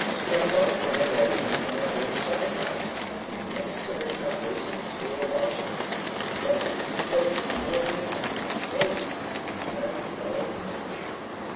Pencroft and Ayrton therefore set about the necessary preparations for the launching, which was to take place the morning of the next day, the 9th of March.